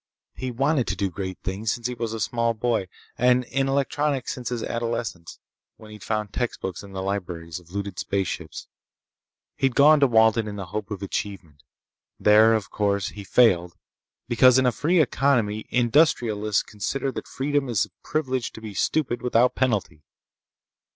He'd wanted to do great things since he was a small boy, and in electronics since his adolescence, when he'd found textbooks in the libraries of looted spaceships. He'd gone to Walden in the hope of achievement. There, of course, he failed because in a free economy industrialists consider that freedom is the privilege to be stupid without penalty.